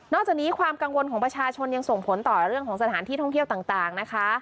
จากนี้ความกังวลของประชาชนยังส่งผลต่อเรื่องของสถานที่ท่องเที่ยวต่างนะคะ